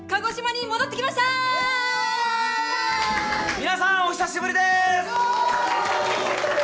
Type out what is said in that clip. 皆さんお久しぶりでーす！